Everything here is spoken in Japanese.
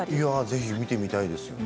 ぜひ見てみたいです